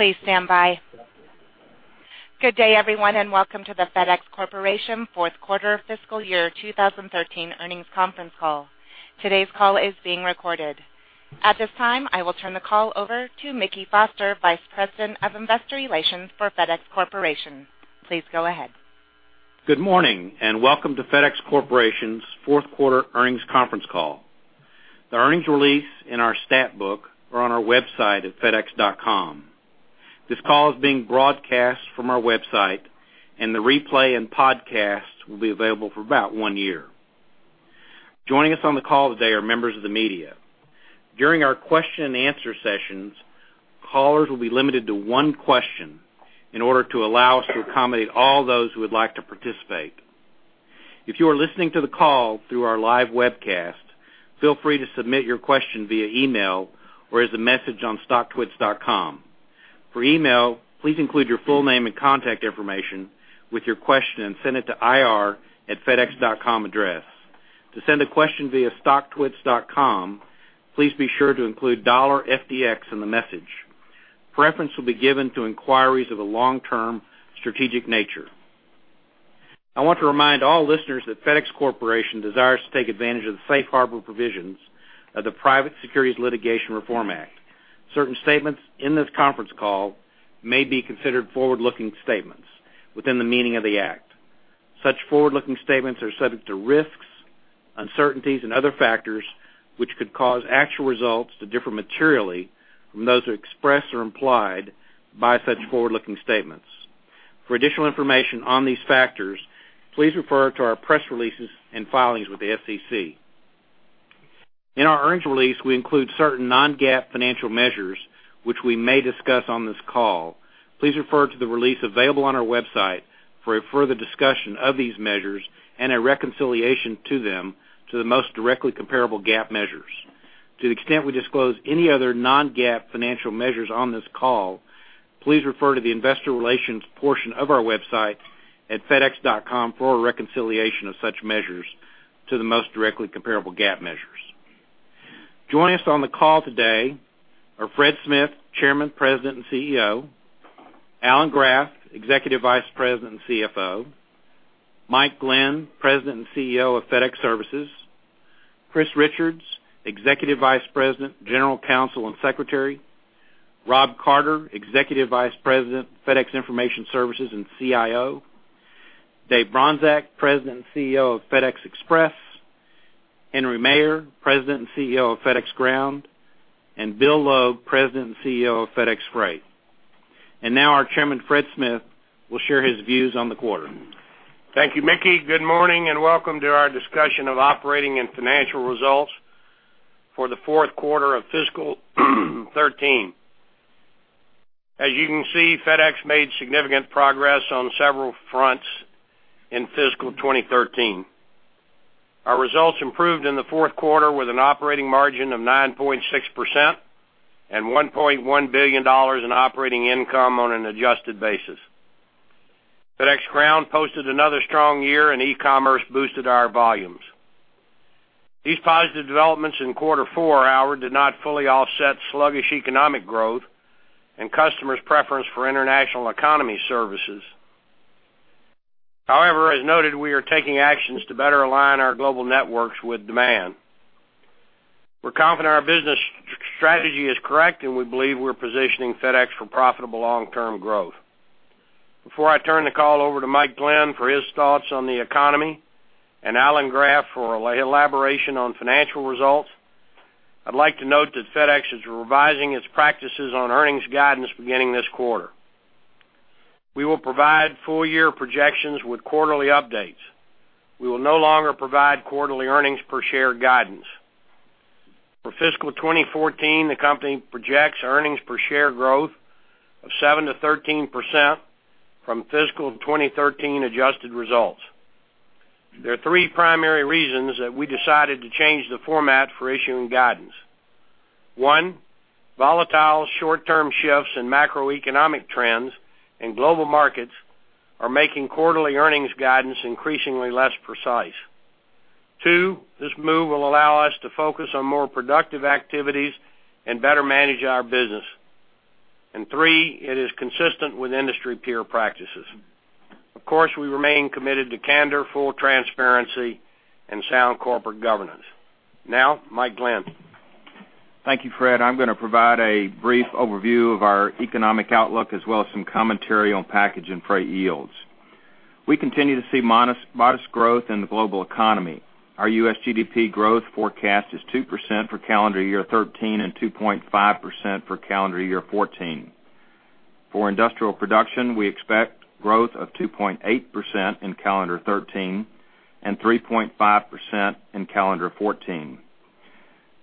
Please stand by. Good day, everyone, and welcome to the FedEx Corporation Fourth Quarter Fiscal Year 2013 Earnings Conference Call. Today's call is being recorded. At this time, I will turn the call over to Mickey Foster, Vice President of Investor Relations for FedEx Corporation. Please go ahead. Good morning, and welcome to FedEx Corporation's Fourth Quarter Earnings Conference Call. The earnings release in our stat book are on our website at fedex.com. This call is being broadcast from our website, and the replay and podcast will be available for about one year. Joining us on the call today are members of the media. During our question and answer sessions, callers will be limited to one question in order to allow us to accommodate all those who would like to participate. If you are listening to the call through our live webcast, feel free to submit your question via email or as a message on stocktwits.com. For email, please include your full name and contact information with your question and send it to ir@fedex.com address. To send a question via stocktwits.com, please be sure to include $FDX in the message. Preference will be given to inquiries of a long-term strategic nature. I want to remind all listeners that FedEx Corporation desires to take advantage of the safe harbor provisions of the Private Securities Litigation Reform Act. Certain statements in this conference call may be considered forward-looking statements within the meaning of the Act. Such forward-looking statements are subject to risks, uncertainties, and other factors which could cause actual results to differ materially from those expressed or implied by such forward-looking statements. For additional information on these factors, please refer to our press releases and filings with the SEC. In our earnings release, we include certain non-GAAP financial measures, which we may discuss on this call. Please refer to the release available on our website for a further discussion of these measures and a reconciliation to them to the most directly comparable GAAP measures. To the extent we disclose any other non-GAAP financial measures on this call, please refer to the investor relations portion of our website at fedex.com for a reconciliation of such measures to the most directly comparable GAAP measures. Joining us on the call today are Fred Smith, Chairman, President, and CEO, Alan Graf, Executive Vice President and CFO, Mike Glenn, President and CEO of FedEx Services, Chris Richards, Executive Vice President, General Counsel, and Secretary, Rob Carter, Executive Vice President, FedEx Information Services, and CIO, Dave Bronczek, President and CEO of FedEx Express, Henry Maier, President and CEO of FedEx Ground, and Bill Logue, President and CEO of FedEx Freight. Now our chairman, Fred Smith, will share his views on the quarter. Thank you, Mickey. Good morning, and welcome to our discussion of operating and financial results for the fourth quarter of fiscal 2013. As you can see, FedEx made significant progress on several fronts in fiscal 2013. Our results improved in the fourth quarter with an operating margin of 9.6% and $1.1 billion in operating income on an adjusted basis. FedEx Ground posted another strong year, and e-commerce boosted our volumes. These positive developments in quarter four, however, did not fully offset sluggish economic growth and customers' preference for international economy services. However, as noted, we are taking actions to better align our global networks with demand. We're confident our business strategy is correct, and we believe we're positioning FedEx for profitable long-term growth. Before I turn the call over to Mike Glenn for his thoughts on the economy and Alan Graf for an elaboration on financial results, I'd like to note that FedEx is revising its practices on earnings guidance beginning this quarter. We will provide full-year projections with quarterly updates. We will no longer provide quarterly earnings per share guidance. For fiscal 2014, the company projects earnings per share growth of 7%-13% from fiscal 2013 adjusted results. There are three primary reasons that we decided to change the format for issuing guidance. One, volatile short-term shifts in macroeconomic trends in global markets are making quarterly earnings guidance increasingly less precise. Two, this move will allow us to focus on more productive activities and better manage our business. And three, it is consistent with industry peer practices. Of course, we remain committed to candor, full transparency, and sound corporate governance. Now, Mike Glenn. Thank you, Fred. I'm going to provide a brief overview of our economic outlook as well as some commentary on package and freight yields. We continue to see modest, modest growth in the global economy. Our U.S. GDP growth forecast is 2% for calendar year 2013 and 2.5% for calendar year 2014. For industrial production, we expect growth of 2.8% in calendar 2013 and 3.5% in calendar 2014.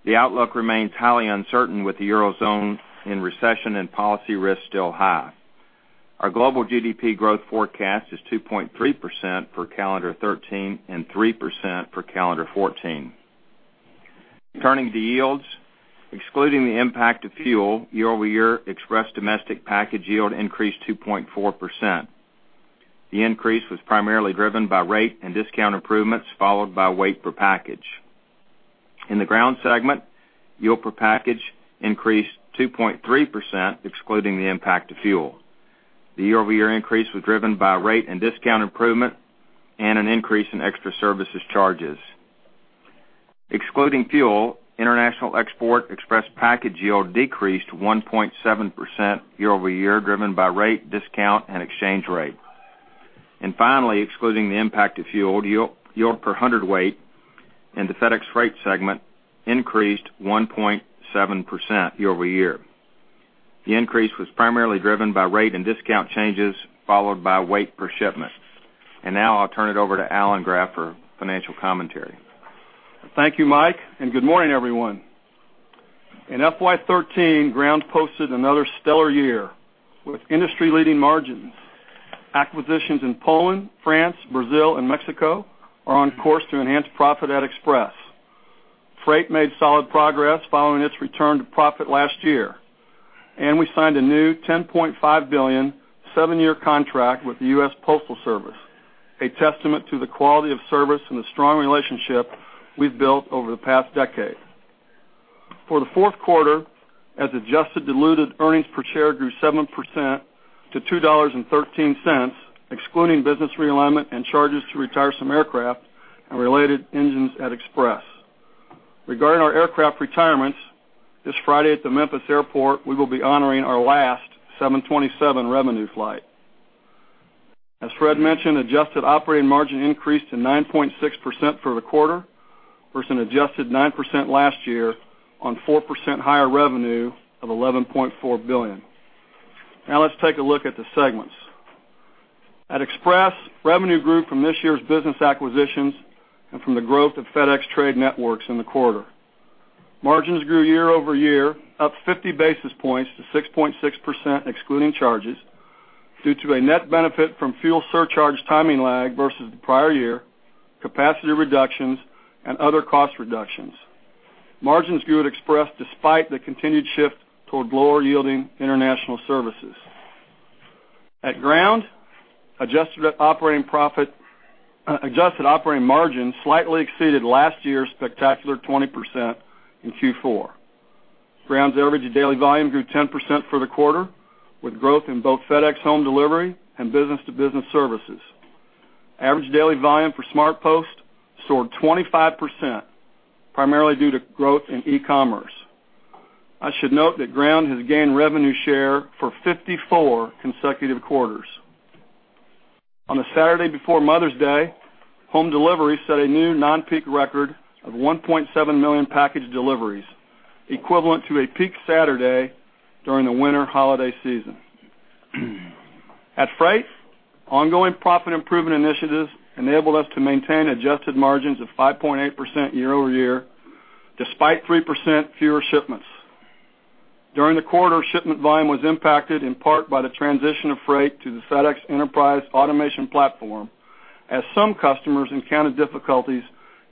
The outlook remains highly uncertain, with the Eurozone in recession and policy risk still high. Our global GDP growth forecast is 2.3% for calendar 2013 and 3% for calendar 2014. Turning to yields, excluding the impact of fuel, year-over-year Express Domestic package yield increased 2.4%. The increase was primarily driven by rate and discount improvements, followed by weight per package. In the Ground segment, yield per package increased 2.3%, excluding the impact of fuel. The year-over-year increase was driven by rate and discount improvement and an increase in extra services charges. Excluding fuel, International Export Express package yield decreased 1.7% year-over-year, driven by rate, discount, and exchange rate. And finally, excluding the impact of fuel, yield, yield per hundredweight in the FedEx Freight segment increased 1.7% year-over-year. The increase was primarily driven by rate and discount changes, followed by weight per shipment. And now I'll turn it over to Alan Graf for financial commentary. Thank you, Mike, and good morning, everyone. In FY 2013, Ground posted another stellar year with industry-leading margins. Acquisitions in Poland, France, Brazil and Mexico are on course to enhance profit at Express. Freight made solid progress following its return to profit last year, and we signed a new $10.5 billion, seven-year contract with the US Postal Service, a testament to the quality of service and the strong relationship we've built over the past decade. For the fourth quarter, as adjusted, diluted earnings per share grew 7% to $2.13, excluding business realignment and charges to retire some aircraft and related engines at Express. Regarding our aircraft retirements, this Friday at the Memphis Airport, we will be honoring our last 727 revenue flight. As Fred mentioned, adjusted operating margin increased to 9.6% for the quarter, versus an adjusted 9% last year on 4% higher revenue of $11.4 billion. Now let's take a look at the segments. At Express, revenue grew from this year's business acquisitions and from the growth of FedEx Trade Networks in the quarter. Margins grew year-over-year, up 50 basis points to 6.6%, excluding charges, due to a net benefit from fuel surcharge timing lag versus the prior year, capacity reductions and other cost reductions. Margins grew at Express despite the continued shift toward lower-yielding international services. At Ground, adjusted operating margin slightly exceeded last year's spectacular 20% in Q4. Ground's average daily volume grew 10% for the quarter, with growth in both FedEx Home Delivery and business-to-business services. Average daily volume for SmartPost soared 25%, primarily due to growth in e-commerce. I should note that Ground has gained revenue share for 54 consecutive quarters. On the Saturday before Mother's Day, Home Delivery set a new non-peak record of 1.7 million package deliveries, equivalent to a peak Saturday during the winter holiday season. At Freight, ongoing profit improvement initiatives enabled us to maintain adjusted margins of 5.8% year-over-year, despite 3% fewer shipments. During the quarter, shipment volume was impacted in part by the transition of Freight to the FedEx Enterprise automation platform, as some customers encountered difficulties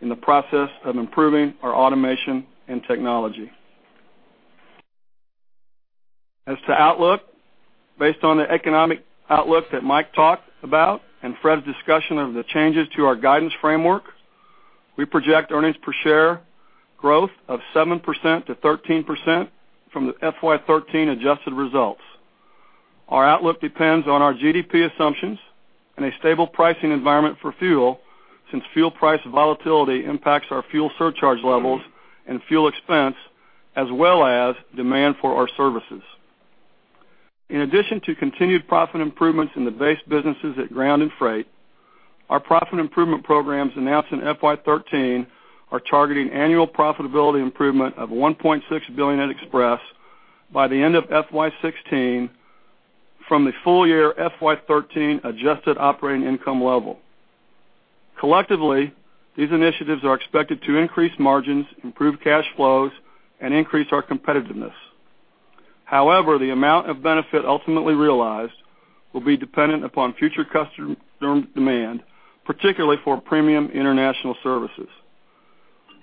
in the process of improving our automation and technology. As to outlook, based on the economic outlook that Mike talked about and Fred's discussion of the changes to our guidance framework, we project earnings per share growth of 7%-13% from the FY 2013 adjusted results. Our outlook depends on our GDP assumptions and a stable pricing environment for fuel, since fuel price volatility impacts our fuel surcharge levels and fuel expense, as well as demand for our services. In addition to continued profit improvements in the base businesses at Ground and Freight, our profit improvement programs announced in FY 2013 are targeting annual profitability improvement of $1.6 billion at Express by the end of FY 2016 from the full year FY 2013 adjusted operating income level. Collectively, these initiatives are expected to increase margins, improve cash flows, and increase our competitiveness. However, the amount of benefit ultimately realized will be dependent upon future customer demand, particularly for premium international services.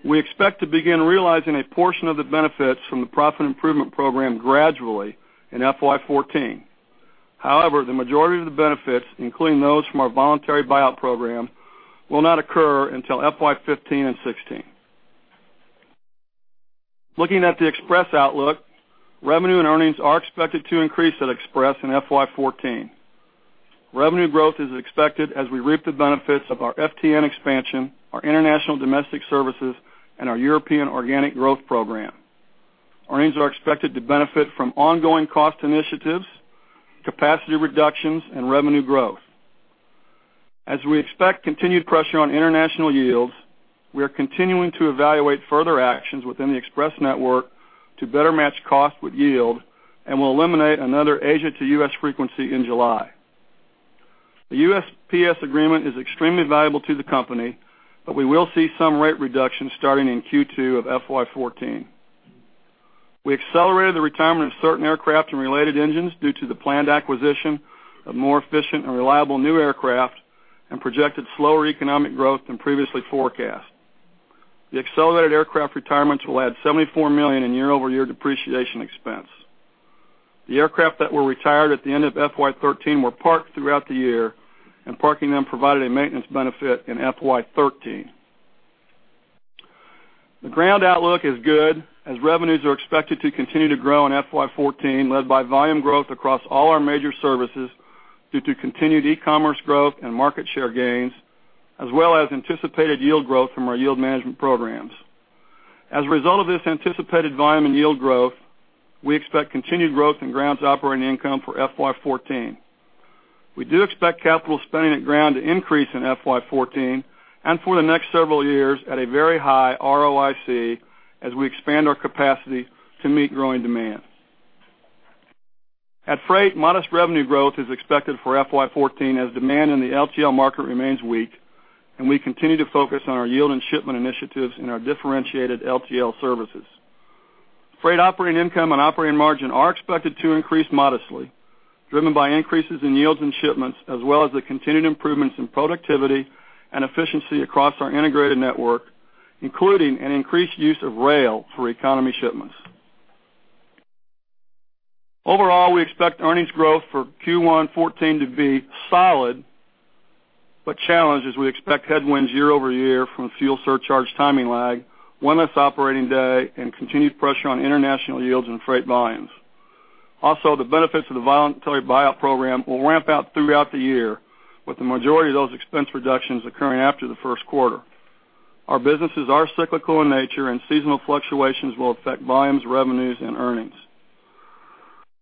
We expect to begin realizing a portion of the benefits from the profit improvement program gradually in FY 2014. However, the majority of the benefits, including those from our voluntary buyout program, will not occur until FY 2015 and 2016. Looking at the Express outlook, revenue and earnings are expected to increase at Express in FY 2014. Revenue growth is expected as we reap the benefits of our FTN expansion, our international domestic services, and our European organic growth program. Earnings are expected to benefit from ongoing cost initiatives, capacity reductions and revenue growth. As we expect continued pressure on international yields, we are continuing to evaluate further actions within the Express network to better match cost with yield and will eliminate another Asia to U.S. frequency in July. The USPS agreement is extremely valuable to the company, but we will see some rate reductions starting in Q2 of FY 2014. We accelerated the retirement of certain aircraft and related engines due to the planned acquisition of more efficient and reliable new aircraft and projected slower economic growth than previously forecast. The accelerated aircraft retirements will add $74 million in year-over-year depreciation expense. The aircraft that were retired at the end of FY 2013 were parked throughout the year, and parking them provided a maintenance benefit in FY 2013. The Ground outlook is good, as revenues are expected to continue to grow in FY 2014, led by volume growth across all our major services due to continued e-commerce growth and market share gains, as well as anticipated yield growth from our yield management programs. As a result of this anticipated volume and yield growth, we expect continued growth in Ground's operating income for FY 2014. We do expect capital spending at Ground to increase in FY 2014 and for the next several years at a very high ROIC as we expand our capacity to meet growing demand. At Freight, modest revenue growth is expected for FY 2014, as demand in the LTL market remains weak, and we continue to focus on our yield and shipment initiatives in our differentiated LTL services. Freight operating income and operating margin are expected to increase modestly, driven by increases in yields and shipments, as well as the continued improvements in productivity and efficiency across our integrated network, including an increased use of rail for economy shipments. Overall, we expect earnings growth for Q1 2014 to be solid, but challenged, as we expect headwinds year over year from fuel surcharge timing lag, one less operating day, and continued pressure on international yields and freight volumes. Also, the benefits of the voluntary buyout program will ramp out throughout the year, with the majority of those expense reductions occurring after the first quarter. Our businesses are cyclical in nature, and seasonal fluctuations will affect volumes, revenues, and earnings.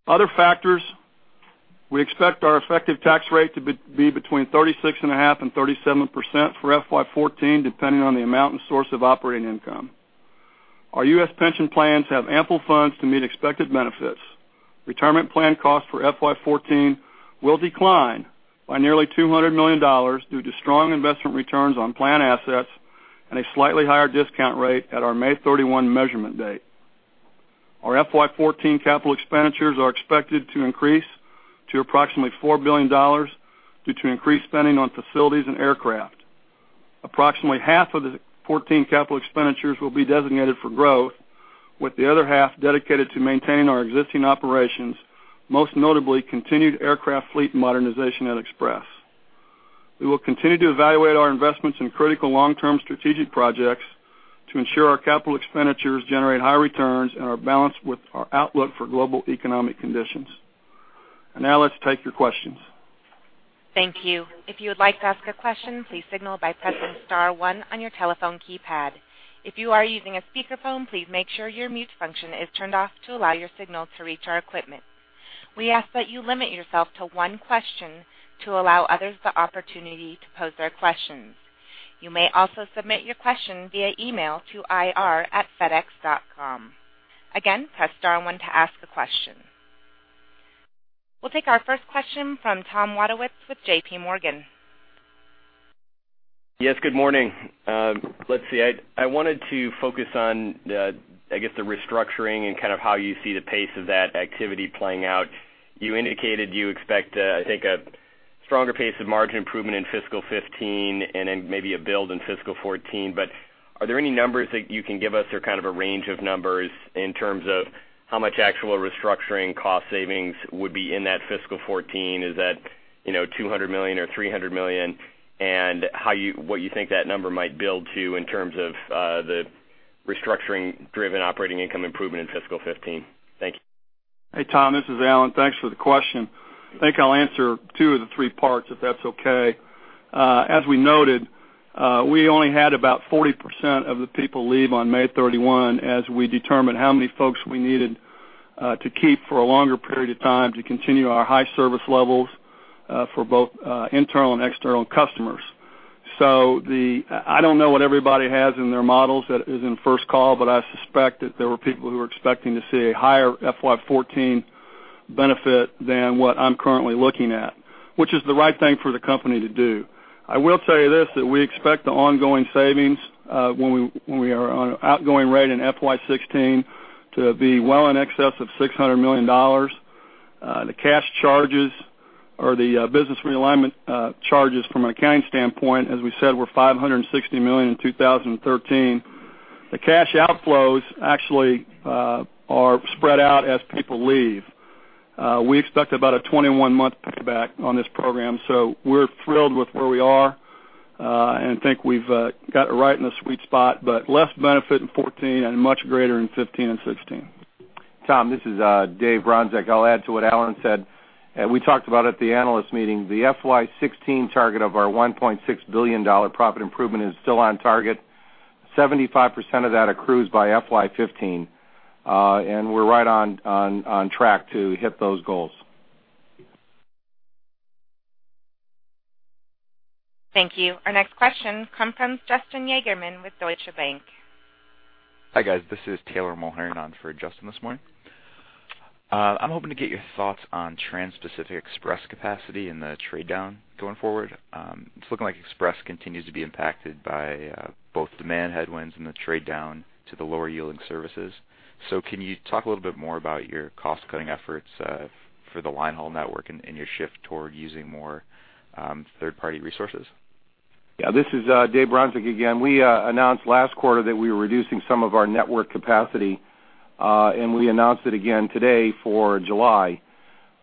Other factors, we expect our effective tax rate to be between 36.5% and 37% for FY 2014, depending on the amount and source of operating income. Our U.S. pension plans have ample funds to meet expected benefits. Retirement plan costs for FY 2014 will decline by nearly $200 million due to strong investment returns on plan assets and a slightly higher discount rate at our May 31 measurement date. Our FY 2014 capital expenditures are expected to increase to approximately $4 billion due to increased spending on facilities and aircraft. Approximately half of the 2014 capital expenditures will be designated for growth, with the other half dedicated to maintaining our existing operations, most notably continued aircraft fleet modernization at Express. We will continue to evaluate our investments in critical long-term strategic projects to ensure our capital expenditures generate high returns and are balanced with our outlook for global economic conditions. Now let's take your questions. Thank you. If you would like to ask a question, please signal by pressing star one on your telephone keypad. If you are using a speakerphone, please make sure your mute function is turned off to allow your signal to reach our equipment. We ask that you limit yourself to one question to allow others the opportunity to pose their questions. You may also submit your question via email to ir@fedex.com. Again, press star one to ask a question. We'll take our first question from Tom Wadewitz with J.P. Morgan. Yes, good morning. Let's see. I wanted to focus on the, I guess, the restructuring and kind of how you see the pace of that activity playing out. You indicated you expect, I think, a stronger pace of margin improvement in fiscal 2015 and then maybe a build in fiscal 2014. But are there any numbers that you can give us or kind of a range of numbers in terms of how much actual restructuring cost savings would be in that fiscal 2014? Is that, you know, $200 million or $300 million? And what you think that number might build to in terms of, the restructuring-driven operating income improvement in fiscal 2015? Thank you. Hey, Tom, this is Alan. Thanks for the question. I think I'll answer two of the three parts, if that's okay. As we noted, we only had about 40% of the people leave on May 31, as we determined how many folks we needed to keep for a longer period of time to continue our high service levels for both internal and external customers. So, I don't know what everybody has in their models that is in first call, but I suspect that there were people who were expecting to see a higher FY 2014 benefit than what I'm currently looking at, which is the right thing for the company to do. I will tell you this, that we expect the ongoing savings, when we are on an outgoing rate in FY 2016, to be well in excess of $600 million. The cash charges or the business realignment charges from an accounting standpoint, as we said, were $560 million in 2013. The cash outflows actually are spread out as people leave. We expect about a 21-month payback on this program, so we're thrilled with where we are, and think we've got it right in the sweet spot, but less benefit in 2014 and much greater in 2015 and 2016. Tom, this is Dave Bronczek. I'll add to what Alan said, and we talked about at the analyst meeting, the FY 2016 target of our $1.6 billion profit improvement is still on target. 75% of that accrues by FY 2015, and we're right on track to hit those goals. Thank you. Our next question comes from Justin Yagerman with Deutsche Bank. Hi, guys. This is Taylor Mulherin on for Justin this morning. I'm hoping to get your thoughts on transpacific Express capacity and the trade down going forward. It's looking like Express continues to be impacted by both demand headwinds and the trade down to the lower yielding services. So can you talk a little bit more about your cost-cutting efforts for the line haul network and your shift toward using more third-party resources?... Yeah, this is, Dave Bronczek again. We announced last quarter that we were reducing some of our network capacity, and we announced it again today for July.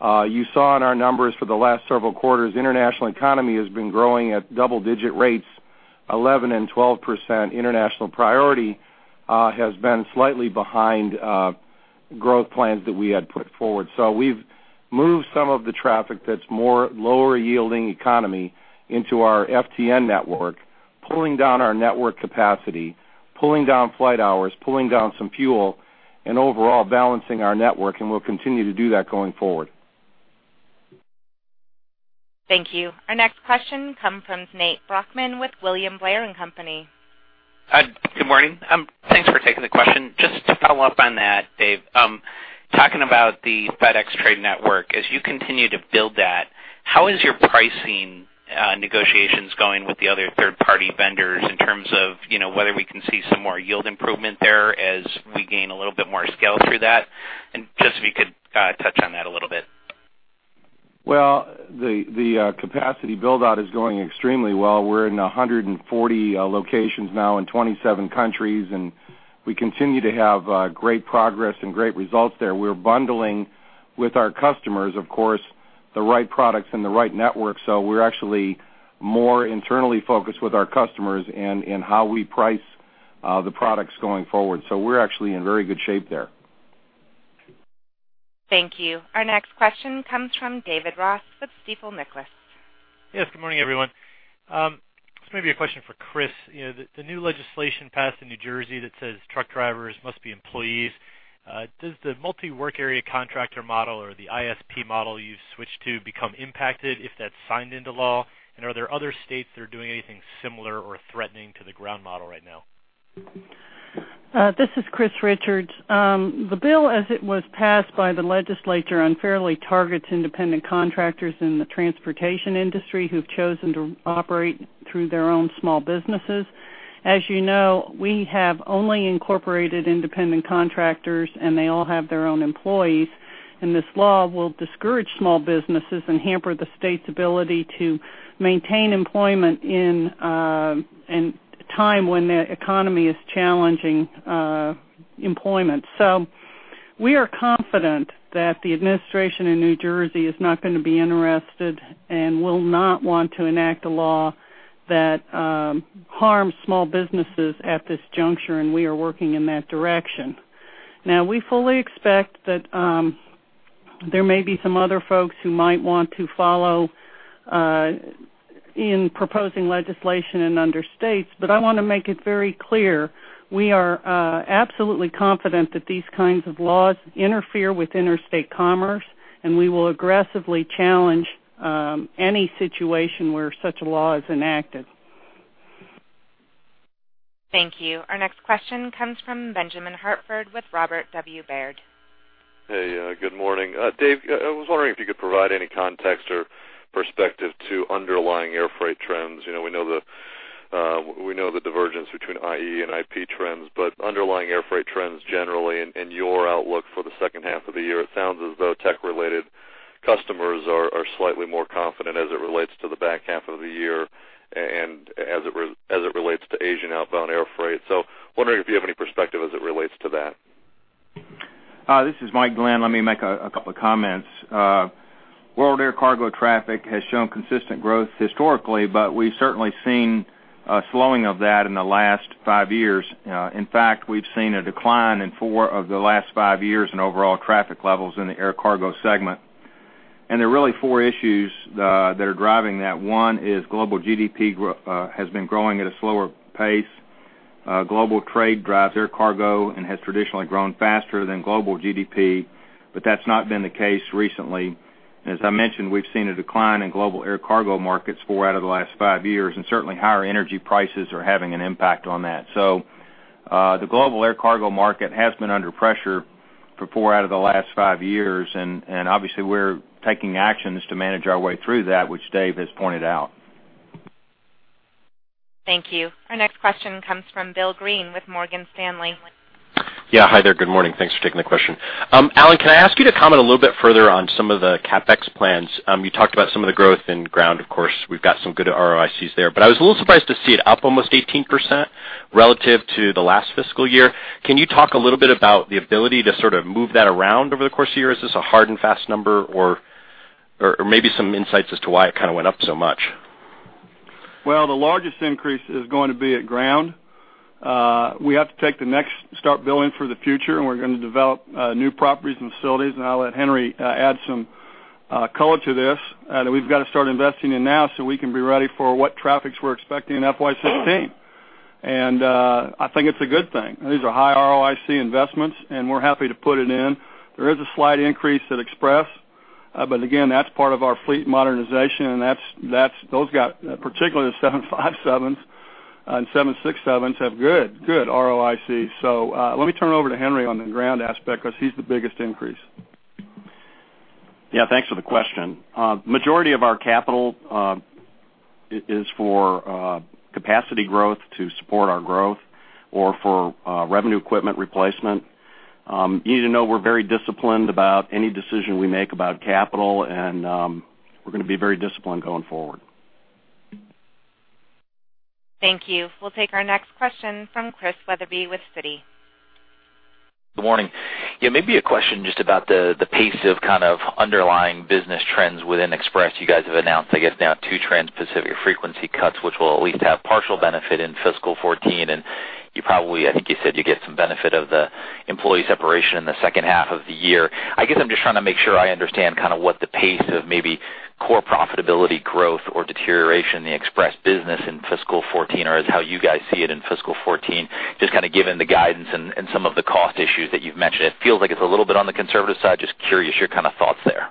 You saw in our numbers for the last several quarters, International Economy has been growing at double-digit rates, 11% and 12%. International Priority has been slightly behind growth plans that we had put forward. So we've moved some of the traffic that's more lower-yielding economy into our FTN network, pulling down our network capacity, pulling down flight hours, pulling down some fuel, and overall balancing our network, and we'll continue to do that going forward. Thank you. Our next question comes from Nate Brockmann with William Blair & Company. Good morning. Thanks for taking the question. Just to follow up on that, Dave, talking about the FedEx Trade Network, as you continue to build that, how is your pricing negotiations going with the other third-party vendors in terms of, you know, whether we can see some more yield improvement there as we gain a little bit more scale through that? And just if you could, touch on that a little bit. Well, the capacity build-out is going extremely well. We're in 140 locations now in 27 countries, and we continue to have great progress and great results there. We're bundling with our customers, of course, the right products and the right networks. So we're actually more internally focused with our customers and how we price the products going forward. So we're actually in very good shape there. Thank you. Our next question comes from David Ross with Stifel Nicolaus. Yes, good morning, everyone. This may be a question for Chris. You know, the, the new legislation passed in New Jersey that says truck drivers must be employees, does the multi-work area contractor model or the ISP model you've switched to become impacted if that's signed into law? And are there other states that are doing anything similar or threatening to the Ground model right now? This is Chris Richards. The bill, as it was passed by the legislature, unfairly targets independent contractors in the transportation industry who've chosen to operate through their own small businesses. As you know, we have only incorporated independent contractors, and they all have their own employees. This law will discourage small businesses and hamper the state's ability to maintain employment in a time when the economy is challenging employment. We are confident that the administration in New Jersey is not going to be interested and will not want to enact a law that harms small businesses at this juncture, and we are working in that direction. Now, we fully expect that there may be some other folks who might want to follow in proposing legislation in other states, but I want to make it very clear, we are absolutely confident that these kinds of laws interfere with interstate commerce, and we will aggressively challenge any situation where such a law is enacted. Thank you. Our next question comes from Benjamin Hartford with Robert W. Baird. Hey, good morning. Dave, I was wondering if you could provide any context or perspective to underlying airfreight trends. You know, we know the, we know the divergence between IE and IP trends, but underlying airfreight trends generally and, and your outlook for the second half of the year, it sounds as though tech-related customers are, are slightly more confident as it relates to the back half of the year and as it relates to Asian outbound airfreight. So wondering if you have any perspective as it relates to that? This is Mike Glenn. Let me make a couple of comments. World air cargo traffic has shown consistent growth historically, but we've certainly seen a slowing of that in the last five years. In fact, we've seen a decline in four of the last five years in overall traffic levels in the air cargo segment. And there are really four issues that are driving that. One is global GDP has been growing at a slower pace. Global trade drives air cargo and has traditionally grown faster than global GDP, but that's not been the case recently. As I mentioned, we've seen a decline in global air cargo markets four out of the last five years, and certainly, higher energy prices are having an impact on that. So, the global air cargo market has been under pressure for four out of the last five years, and obviously, we're taking actions to manage our way through that, which Dave has pointed out. Thank you. Our next question comes from Bill Greene with Morgan Stanley. Yeah. Hi there. Good morning. Thanks for taking the question. Alan, can I ask you to comment a little bit further on some of the CapEx plans? You talked about some of the growth in Ground. Of course, we've got some good ROICs there, but I was a little surprised to see it up almost 18% relative to the last fiscal year. Can you talk a little bit about the ability to sort of move that around over the course of the year? Is this a hard and fast number or maybe some insights as to why it kind of went up so much? Well, the largest increase is going to be at Ground. We have to take the next step building for the future, and we're going to develop new properties and facilities, and I'll let Henry add some color to this. That we've got to start investing in now so we can be ready for what traffic we're expecting in FY 2016. And I think it's a good thing. These are high ROIC investments, and we're happy to put it in. There is a slight increase at Express, but again, that's part of our fleet modernization, and that's, that's – those guys, particularly the 757s and 767s, have good, good ROIC. So, let me turn it over to Henry on the Ground aspect because he's the biggest increase. Yeah, thanks for the question. Majority of our capital is for capacity growth to support our growth or for revenue equipment replacement. ... You need to know we're very disciplined about any decision we make about capital, and we're going to be very disciplined going forward. Thank you. We'll take our next question from Chris Wetherbee with Citi. Good morning. Yeah, maybe a question just about the pace of kind of underlying business trends within Express. You guys have announced, I guess, now, two transpacific frequency cuts, which will at least have partial benefit in fiscal 2014, and you probably, I think you said, you get some benefit of the employee separation in the second half of the year. I guess I'm just trying to make sure I understand kind of what the pace of maybe core profitability growth or deterioration in the Express business in fiscal 2014, or is how you guys see it in fiscal 2014, just kind of given the guidance and, and some of the cost issues that you've mentioned. It feels like it's a little bit on the conservative side. Just curious, your kind of thoughts there?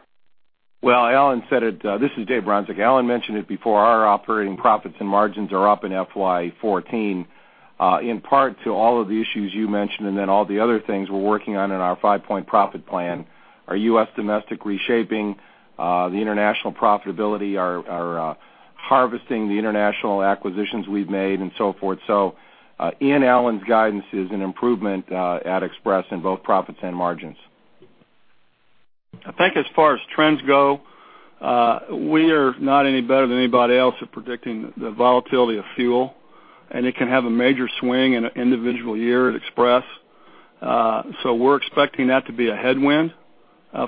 Well, Alan said it. This is Dave Bronczek. Alan mentioned it before. Our operating profits and margins are up in FY 2014, in part to all of the issues you mentioned, and then all the other things we're working on in our Five-Point Profit Plan. Our U.S. domestic reshaping, the international profitability, our harvesting the international acquisitions we've made and so forth. So, in Alan's guidance is an improvement, at Express in both profits and margins. I think as far as trends go, we are not any better than anybody else at predicting the volatility of fuel, and it can have a major swing in an individual year at Express. So we're expecting that to be a headwind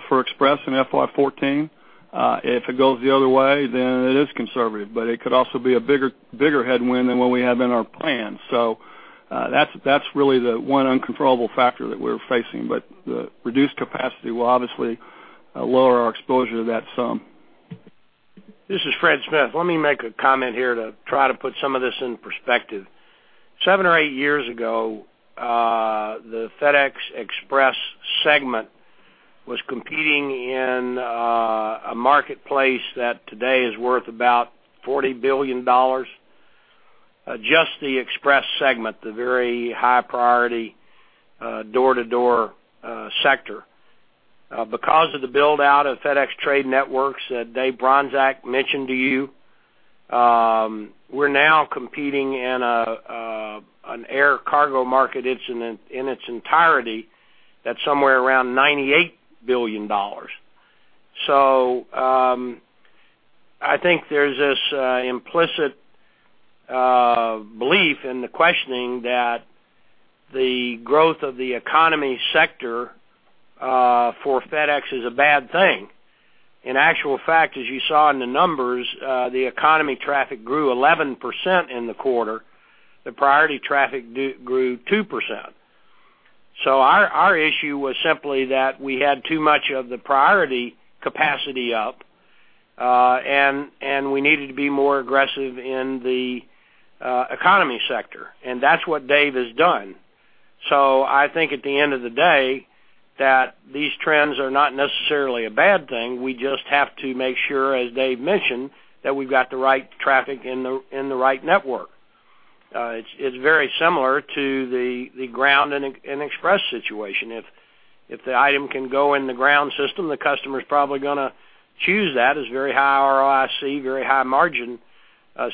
for Express in FY 2014. If it goes the other way, then it is conservative, but it could also be a bigger, bigger headwind than what we have in our plans. So, that's, that's really the one uncontrollable factor that we're facing. But the reduced capacity will obviously lower our exposure to that sum. This is Fred Smith. Let me make a comment here to try to put some of this in perspective. Seven or eight years ago, the FedEx Express segment was competing in a marketplace that today is worth about $40 billion. Just the Express segment, the very high-priority, door-to-door sector. Because of the build-out of FedEx Trade Networks that Dave Bronczek mentioned to you, we're now competing in a, an air cargo market, in its entirety, that's somewhere around $98 billion. So, I think there's this implicit belief in the questioning that the growth of the economy sector for FedEx is a bad thing. In actual fact, as you saw in the numbers, the economy traffic grew 11% in the quarter. The priority traffic grew 2%. So our issue was simply that we had too much of the priority capacity up, and we needed to be more aggressive in the economy sector, and that's what Dave has done. So I think at the end of the day, that these trends are not necessarily a bad thing. We just have to make sure, as Dave mentioned, that we've got the right traffic in the right network. It's very similar to the Ground and Express situation. If the item can go in the Ground system, the customer's probably gonna choose that. It's very high ROIC, very high margin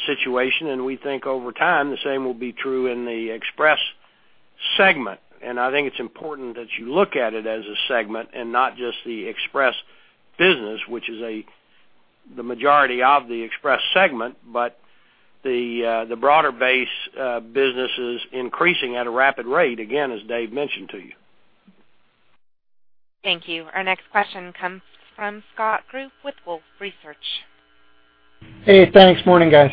situation, and we think over time, the same will be true in the Express segment. I think it's important that you look at it as a segment and not just the Express business, which is the majority of the Express segment, but the broader base business is increasing at a rapid rate, again, as Dave mentioned to you. Thank you. Our next question comes from Scott Group with Wolfe Research. Hey, thanks. Morning, guys.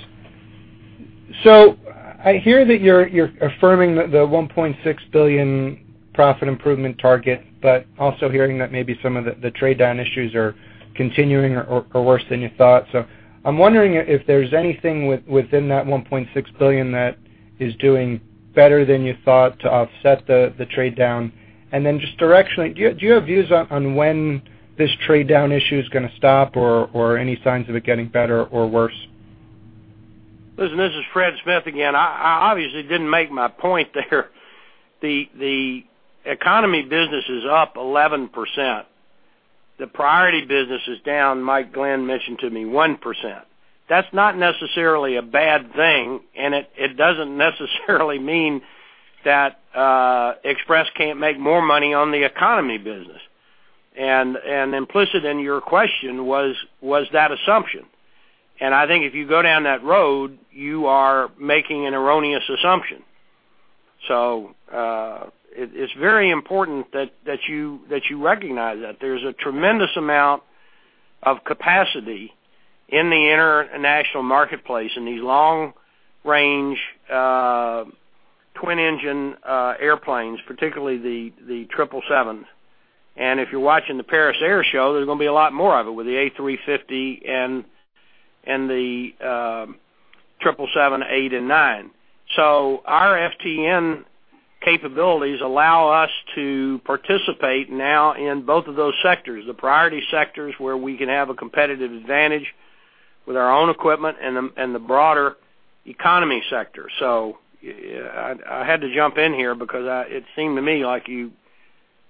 So I hear that you're affirming the $1.6 billion profit improvement target, but also hearing that maybe some of the trade down issues are continuing or worse than you thought. So I'm wondering if there's anything within that $1.6 billion that is doing better than you thought to offset the trade down? And then just directionally, do you have views on when this trade down issue is gonna stop, or any signs of it getting better or worse? Listen, this is Fred Smith again. I obviously didn't make my point there. The economy business is up 11%. The priority business is down, Mike Glenn mentioned to me, 1%. That's not necessarily a bad thing, and it doesn't necessarily mean that Express can't make more money on the economy business. And implicit in your question was that assumption. And I think if you go down that road, you are making an erroneous assumption. So, it's very important that you recognize that. There's a tremendous amount of capacity in the international marketplace, in these long-range twin-engine airplanes, particularly the 777s. And if you're watching the Paris Air Show, there's gonna be a lot more of it with the A350 and the 777-8 and -9. So our FTN capabilities allow us to participate now in both of those sectors, the priority sectors, where we can have a competitive advantage with our own equipment and the, and the broader economy sector. So I had to jump in here because it seemed to me like you...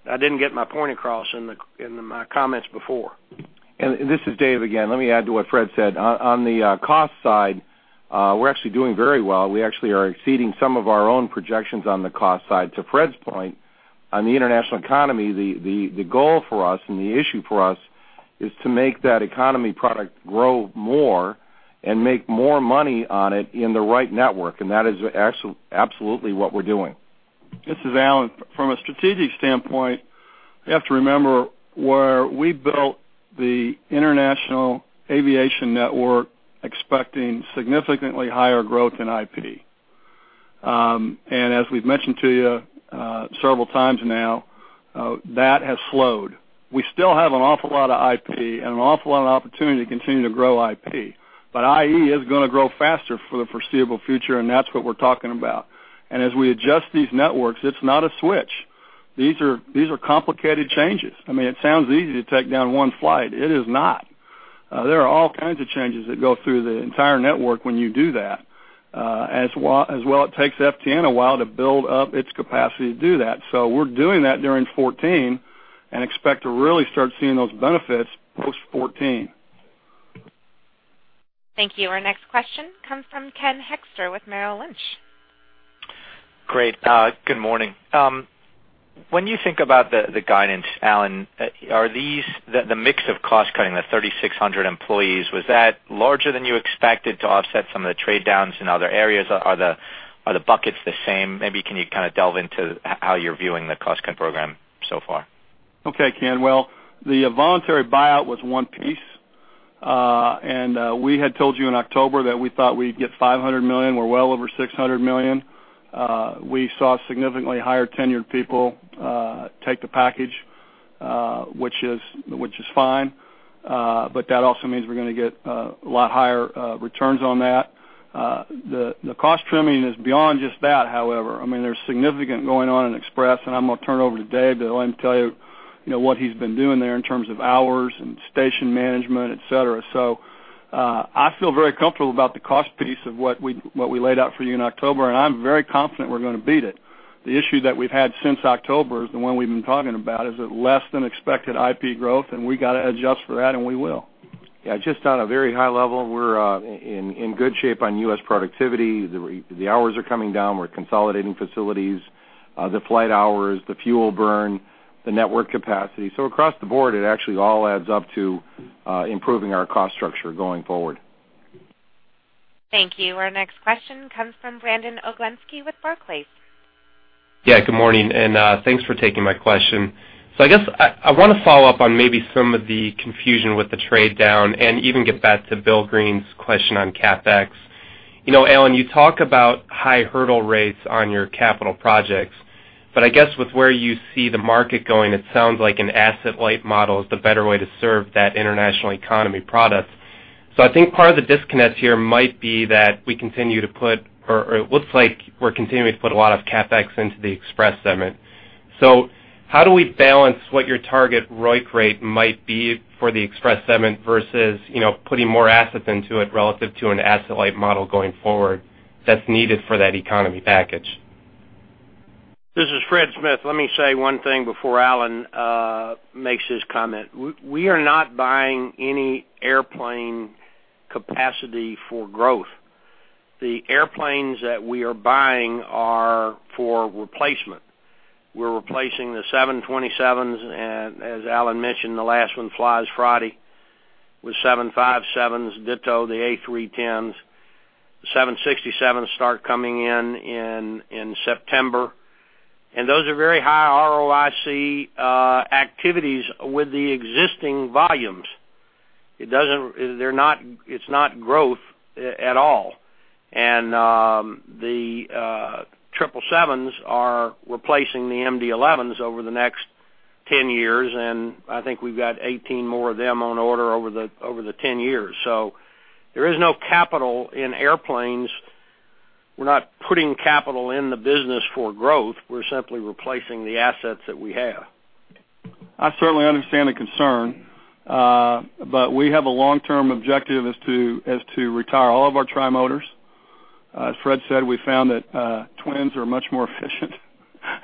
I didn't get my point across in my comments before. And this is Dave again. Let me add to what Fred said. On the cost side, we're actually doing very well. We actually are exceeding some of our own projections on the cost side. To Fred's point, on the international economy, the goal for us and the issue for us is to make that economy product grow more and make more money on it in the right network, and that is absolutely what we're doing. This is Alan. From a strategic standpoint, you have to remember where we built the international aviation network, expecting significantly higher growth in IP. As we've mentioned to you, several times now, that has slowed. We still have an awful lot of IP and an awful lot of opportunity to continue to grow IP, but IE is going to grow faster for the foreseeable future, and that's what we're talking about. As we adjust these networks, it's not a switch. These are, these are complicated changes. I mean, it sounds easy to take down one flight. It is not. There are all kinds of changes that go through the entire network when you do that. As well, it takes FTN a while to build up its capacity to do that. We're doing that during 2014 and expect to really start seeing those benefits post 2014. Thank you. Our next question comes from Ken Hoexter with Merrill Lynch. Great, good morning. When you think about the guidance, Alan, are these the mix of cost-cutting, the 3,600 employees, was that larger than you expected to offset some of the trade downs in other areas? Are the buckets the same? Maybe can you kind of delve into how you're viewing the cost-cutting program so far? Okay, Ken. Well, the voluntary buyout was one piece. We had told you in October that we thought we'd get $500 million. We're well over $600 million. We saw significantly higher tenured people take the package, which is, which is fine, but that also means we're going to get a lot higher returns on that. The cost trimming is beyond just that, however. I mean, there's significant going on in Express, and I'm going to turn it over to Dave to let him tell you, you know, what he's been doing there in terms of hours and station management, et cetera. So, I feel very comfortable about the cost piece of what we laid out for you in October, and I'm very confident we're going to beat it. The issue that we've had since October is the one we've been talking about, is that less than expected IP growth, and we got to adjust for that, and we will. Yeah, just on a very high level, we're in good shape on U.S. productivity. The hours are coming down, we're consolidating facilities, the flight hours, the fuel burn, the network capacity. So across the board, it actually all adds up to improving our cost structure going forward. Thank you. Our next question comes from Brandon Oglenski with Barclays. Yeah, good morning, and thanks for taking my question. So I guess I want to follow up on maybe some of the confusion with the trade down and even get back to Bill Greene's question on CapEx. You know, Alan, you talk about high hurdle rates on your capital projects, but I guess with where you see the market going, it sounds like an asset-light model is the better way to serve that international economy product. So I think part of the disconnect here might be that we continue to put or it looks like we're continuing to put a lot of CapEx into the Express segment. So how do we balance what your target ROIC rate might be for the Express segment versus, you know, putting more assets into it relative to an asset-light model going forward that's needed for that economy package? This is Fred Smith. Let me say one thing before Alan makes his comment. We are not buying any airplane capacity for growth. The airplanes that we are buying are for replacement. We're replacing the 727s, and as Alan mentioned, the last one flies Friday, with 757s, ditto the A310s. The 767s start coming in September, and those are very high ROIC activities with the existing volumes. They're not - it's not growth at all. The 777s are replacing the MD-11s over the next 10 years, and I think we've got 18 more of them on order over the 10 years. There is no capital in airplanes. We're not putting capital in the business for growth. We're simply replacing the assets that we have. I certainly understand the concern, but we have a long-term objective as to retire all of our tri-motors. As Fred said, we found that twins are much more efficient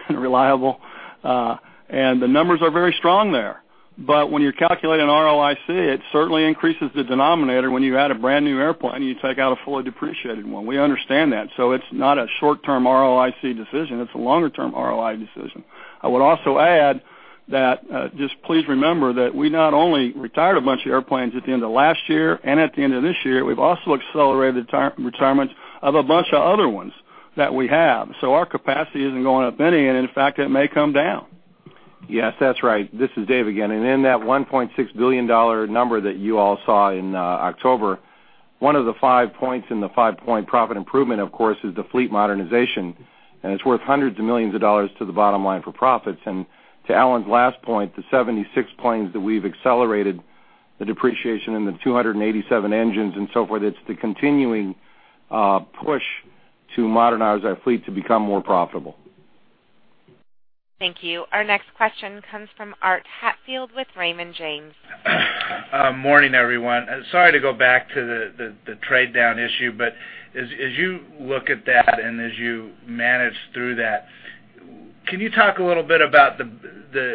and reliable, and the numbers are very strong there. But when you're calculating ROIC, it certainly increases the denominator when you add a brand-new airplane, and you take out a fully depreciated one. We understand that, so it's not a short-term ROIC decision, it's a longer-term ROI decision. I would also add that just please remember that we not only retired a bunch of airplanes at the end of last year and at the end of this year, we've also accelerated retirement of a bunch of other ones that we have. So our capacity isn't going up any, and in fact, it may come down. Yes, that's right. This is Dave again. In that $1.6 billion number that you all saw in October, one of the five points in the five-point profit improvement, of course, is the fleet modernization, and it's worth hundreds of millions of dollars to the bottom line for profits. And to Alan's last point, the 76 planes that we've accelerated, the depreciation in the 287 engines, and so forth, it's the continuing push to modernize our fleet to become more profitable. Thank you. Our next question comes from Art Hatfield with Raymond James. Morning, everyone. Sorry to go back to the trade down issue, but as you look at that and as you manage through that... Can you talk a little bit about the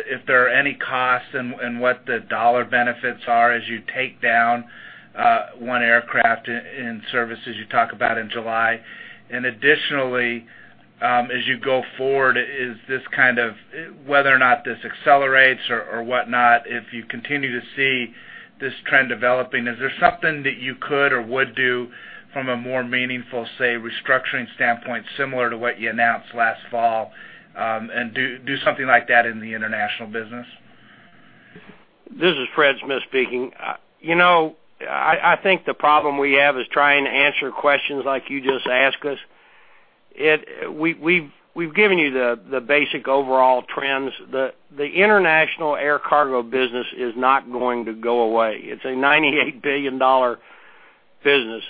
if there are any costs and what the dollar benefits are as you take down one aircraft in service, as you talk about in July? And additionally, as you go forward, is this kind of, whether or not this accelerates or whatnot, if you continue to see this trend developing, is there something that you could or would do from a more meaningful, say, restructuring standpoint, similar to what you announced last fall, and do something like that in the international business? This is Fred Smith speaking. You know, I think the problem we have is trying to answer questions like you just asked us. We’ve given you the basic overall trends. The international air cargo business is not going to go away. It’s a $98 billion business.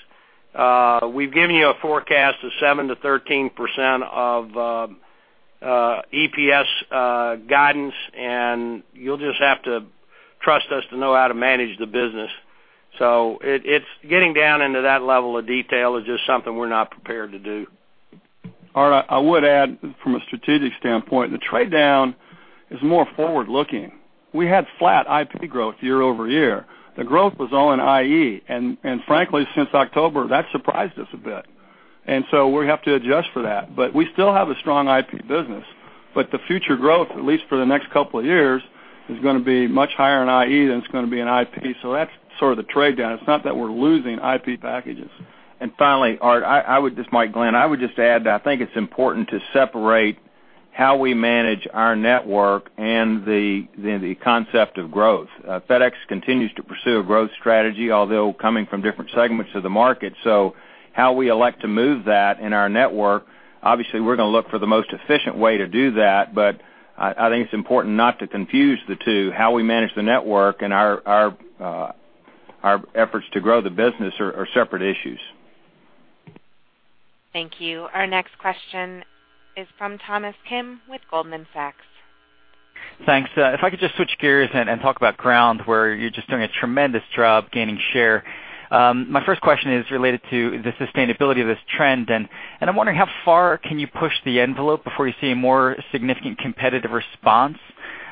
We’ve given you a forecast of 7%-13% of EPS guidance, and you’ll just have to trust us to know how to manage the business. So it’s getting down into that level of detail is just something we’re not prepared to do. Art, I would add, from a strategic standpoint, the trade down is more forward-looking. We had flat IP growth year-over-year. The growth was all in IE, and, and frankly, since October, that surprised us a bit. And so we have to adjust for that. But we still have a strong IP business, but the future growth, at least for the next couple of years, is gonna be much higher in IE than it's gonna be in IP. So that's sort of the trade-down. It's not that we're losing IP packages. And finally, Art, I would... This is Mike Glenn. I would just add that I think it's important to separate how we manage our network and the concept of growth. FedEx continues to pursue a growth strategy, although coming from different segments of the market. So how we elect to move that in our network, obviously, we're gonna look for the most efficient way to do that. But I think it's important not to confuse the two. How we manage the network and our efforts to grow the business are separate issues. Thank you. Our next question is from Thomas Kim with Goldman Sachs. Thanks. If I could just switch gears and talk about Ground, where you're just doing a tremendous job gaining share. My first question is related to the sustainability of this trend, and I'm wondering, how far can you push the envelope before you see a more significant competitive response?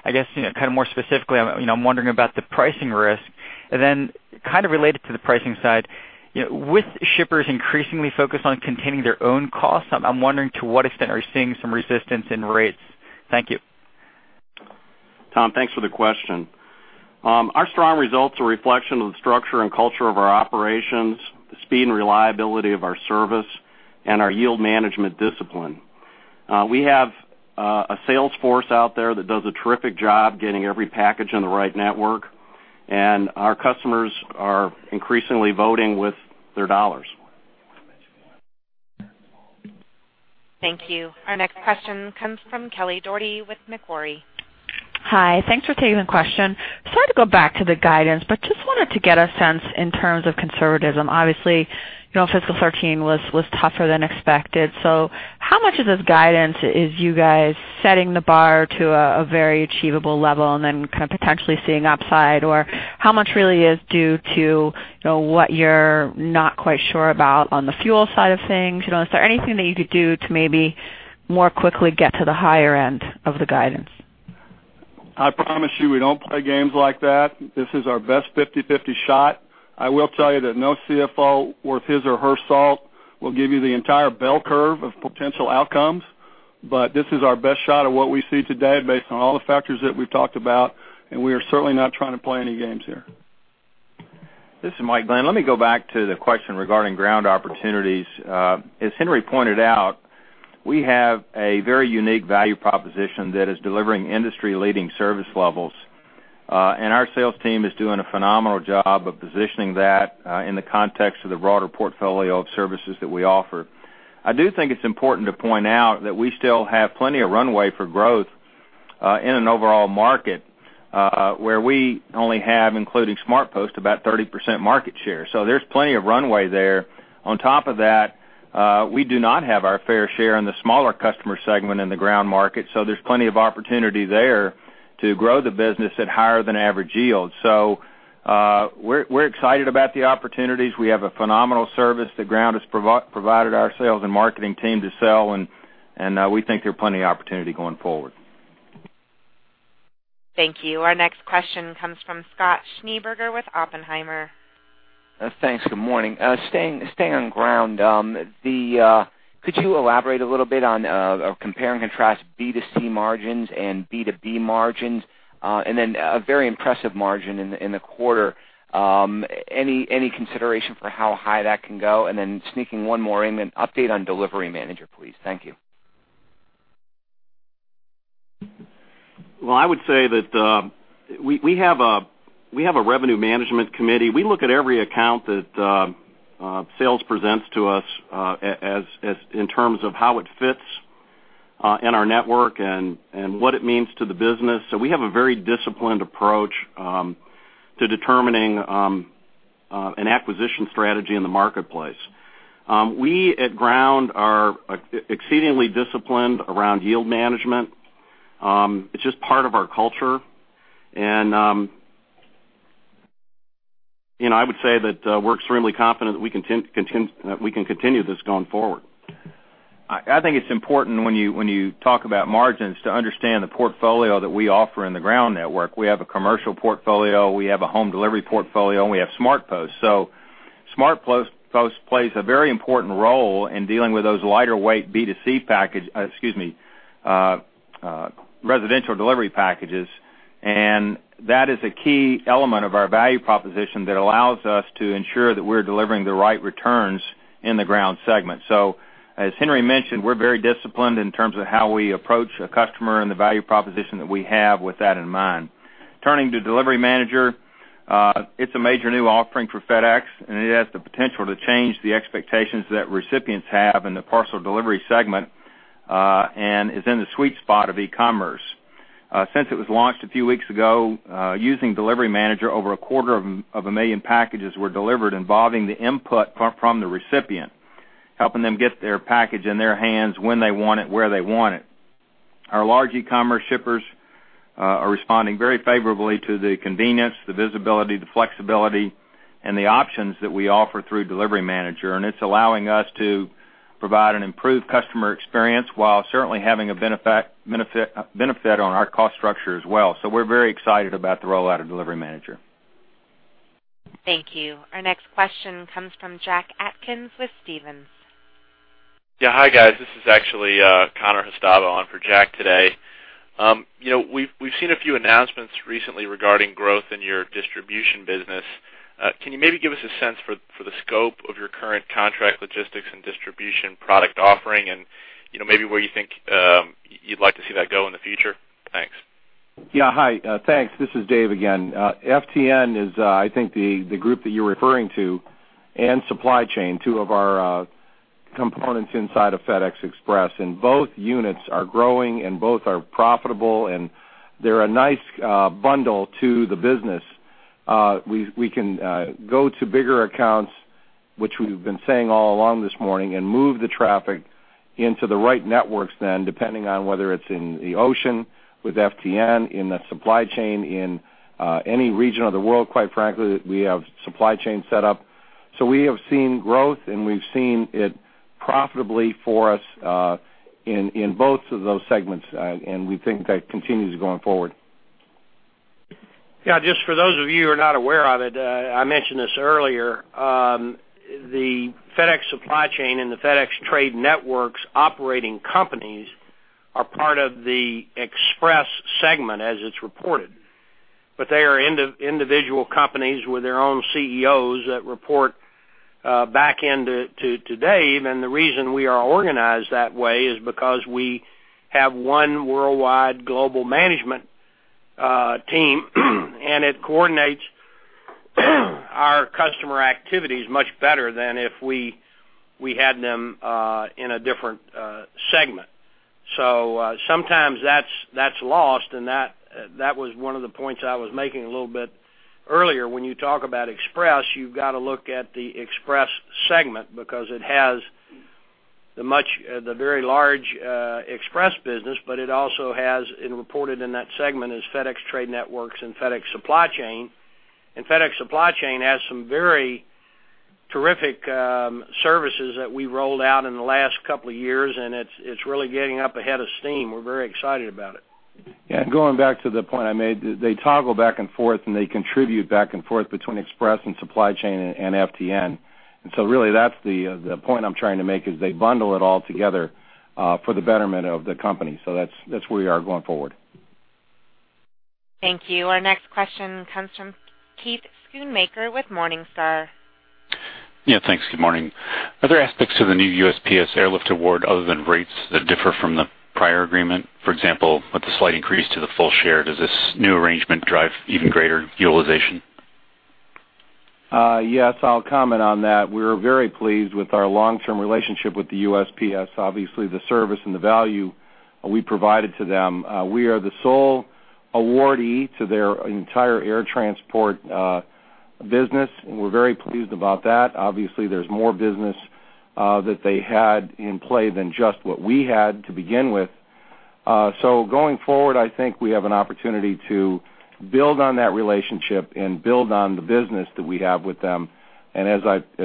I guess, you know, kind of more specifically, I'm wondering about the pricing risk. And then kind of related to the pricing side, you know, with shippers increasingly focused on containing their own costs, I'm wondering, to what extent are you seeing some resistance in rates? Thank you. Tom, thanks for the question. Our strong results are a reflection of the structure and culture of our operations, the speed and reliability of our service, and our yield management discipline. We have a sales force out there that does a terrific job getting every package on the right network, and our customers are increasingly voting with their dollars. Thank you. Our next question comes from Kelly Dougherty with Macquarie. Hi, thanks for taking the question. Sorry to go back to the guidance, but just wanted to get a sense in terms of conservatism. Obviously, you know, fiscal 2013 was tougher than expected. So how much of this guidance is you guys setting the bar to a very achievable level and then kind of potentially seeing upside? Or how much really is due to, you know, what you're not quite sure about on the fuel side of things? You know, is there anything that you could do to maybe more quickly get to the higher end of the guidance? I promise you, we don't play games like that. This is our best 50/50 shot. I will tell you that no CFO worth his or her salt will give you the entire bell curve of potential outcomes. But this is our best shot of what we see today, based on all the factors that we've talked about, and we are certainly not trying to play any games here. This is Mike Glenn. Let me go back to the question regarding Ground opportunities. As Henry pointed out, we have a very unique value proposition that is delivering industry-leading service levels, and our sales team is doing a phenomenal job of positioning that, in the context of the broader portfolio of services that we offer. I do think it's important to point out that we still have plenty of runway for growth, in an overall market, where we only have, including SmartPost, about 30% market share. So there's plenty of runway there. On top of that, we do not have our fair share in the smaller customer segment in the Ground market, so there's plenty of opportunity there to grow the business at higher than average yields. So, we're excited about the opportunities. We have a phenomenal service that Ground has provided our sales and marketing team to sell, and we think there are plenty of opportunity going forward. Thank you. Our next question comes from Scott Schneeberger with Oppenheimer. Thanks. Good morning. Staying on Ground, could you elaborate a little bit on or compare and contrast B2C margins and B2B margins? And then a very impressive margin in the quarter. Any consideration for how high that can go? And then sneaking one more in, an update on Delivery Manager, please. Thank you. Well, I would say that we have a revenue management committee. We look at every account that sales presents to us, in terms of how it fits in our network and what it means to the business. So we have a very disciplined approach to determining an acquisition strategy in the marketplace. We at Ground are exceedingly disciplined around yield management. It's just part of our culture. And, ... you know, I would say that, we're extremely confident that we can continue this going forward. I think it's important when you talk about margins, to understand the portfolio that we offer in the Ground network. We have a commercial portfolio, we have a home delivery portfolio, and we have SmartPost. So SmartPost plays a very important role in dealing with those lighter weight B2C package, residential delivery packages. And that is a key element of our value proposition that allows us to ensure that we're delivering the right returns in the Ground segment. So as Henry mentioned, we're very disciplined in terms of how we approach a customer and the value proposition that we have with that in mind. Turning to Delivery Manager, it's a major new offering for FedEx, and it has the potential to change the expectations that recipients have in the parcel delivery segment, and is in the sweet spot of e-commerce. Since it was launched a few weeks ago, using Delivery Manager, over 250,000 packages were delivered involving the input from the recipient, helping them get their package in their hands when they want it, where they want it. Our large e-commerce shippers are responding very favorably to the convenience, the visibility, the flexibility, and the options that we offer through Delivery Manager, and it's allowing us to provide an improved customer experience while certainly having a benefit on our cost structure as well. So we're very excited about the rollout of Delivery Manager. Thank you. Our next question comes from Jack Atkins with Stephens. Yeah. Hi, guys. This is actually Connor Hustava on for Jack today. You know, we've seen a few announcements recently regarding growth in your distribution business. Can you maybe give us a sense for the scope of your current contract logistics and distribution product offering, and you know, maybe where you think you'd like to see that go in the future? Thanks. Yeah. Hi, thanks. This is Dave again. FTN is, I think the group that you're referring to, and Supply Chain, two of our components inside of FedEx Express, and both units are growing, and both are profitable, and they're a nice bundle to the business. We can go to bigger accounts, which we've been saying all along this morning, and move the traffic into the right networks then, depending on whether it's in the ocean with FTN, in the Supply Chain, in any region of the world, quite frankly, we have Supply Chain set up. So we have seen growth, and we've seen it profitably for us, in both of those segments. And we think that continues going forward. Yeah, just for those of you who are not aware of it, I mentioned this earlier, the FedEx Supply Chain and the FedEx Trade Networks operating companies are part of the Express segment as it's reported. But they are individual companies with their own CEOs that report back into to Dave. And the reason we are organized that way is because we have one worldwide global management team, and it coordinates our customer activities much better than if we had them in a different segment. So, sometimes that's lost, and that was one of the points I was making a little bit earlier. When you talk about Express, you've got to look at the Express segment because it has the much... The very large Express business, but it also has, and reported in that segment, is FedEx Trade Networks and FedEx Supply Chain. FedEx Supply Chain has some very terrific services that we rolled out in the last couple of years, and it's really gaining up a head of steam. We're very excited about it. Yeah, and going back to the point I made, they toggle back and forth, and they contribute back and forth between Express and Supply Chain and FTN. And so really, that's the point I'm trying to make is they bundle it all together for the betterment of the company. So that's where we are going forward. Thank you. Our next question comes from Keith Schoonmaker with Morningstar. Yeah, thanks. Good morning. Are there aspects to the new USPS Airlift award other than rates that differ from the prior agreement? For example, with the slight increase to the full share, does this new arrangement drive even greater utilization? Yes, I'll comment on that. We're very pleased with our long-term relationship with the USPS. Obviously, the service and the value we provided to them. We are the sole awardee to their entire air transport business, and we're very pleased about that. Obviously, there's more business that they had in play than just what we had to begin with. So going forward, I think we have an opportunity to build on that relationship and build on the business that we have with them. And as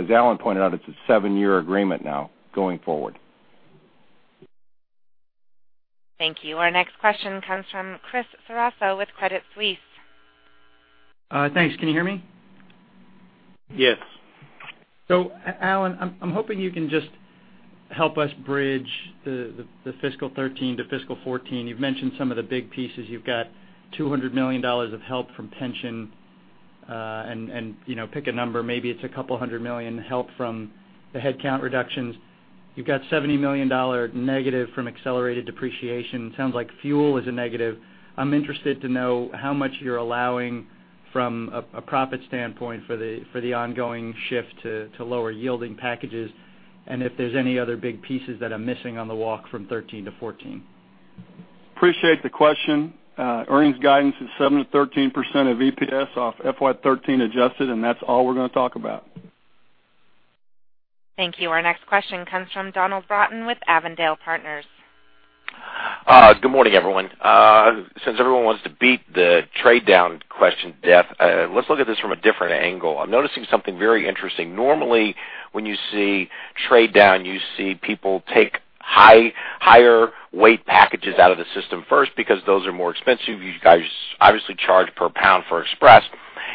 Alan pointed out, it's a seven-year agreement now, going forward. Thank you. Our next question comes from Chris Ceraso with Credit Suisse. Thanks. Can you hear me? Yes. Alan, I'm hoping you can just help us bridge the fiscal 2013 to fiscal 2014. You've mentioned some of the big pieces. You've got $200 million of help from pension, and you know, pick a number, maybe it's a couple hundred million help from the headcount reductions. You've got $70 million negative from accelerated depreciation. Sounds like fuel is a negative. I'm interested to know how much you're allowing from a profit standpoint for the ongoing shift to lower yielding packages, and if there's any other big pieces that are missing on the walk from 2013 to 2014. Appreciate the question. Earnings guidance is 7%-13% of EPS off FY 2013 adjusted, and that's all we're going to talk about. Thank you. Our next question comes from Donald Broughton with Avondale Partners. Good morning, everyone. Since everyone wants to beat the trade down question to death, let's look at this from a different angle. I'm noticing something very interesting. Normally, when you see trade down, you see people take higher weight packages out of the system first because those are more expensive. You guys obviously charge per pound for Express,